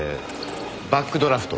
バックドラフト。